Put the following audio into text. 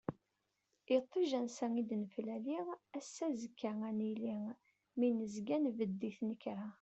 Iṭij ansa i d-neflali, ass-a azekka ad nili, mi nezga nbedd i tnekra.